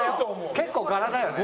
結構柄だよね。